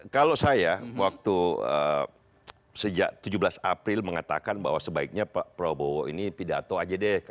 kalau saya waktu sejak tujuh belas april mengatakan bahwa sebaiknya pak prabowo ini pidato aja deh